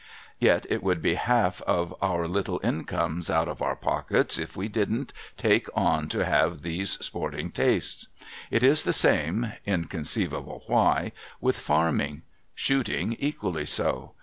Yet it would be half our little incomes out of our pockets if we didn't take on to have those sporting tastes. It is the same (inconceivable why !) with Farming. Shooting, equally so.